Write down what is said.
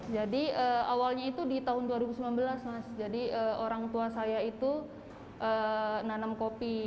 jadi awalnya itu di tahun dua ribu sembilan belas jadi orang tua saya itu nanam kopi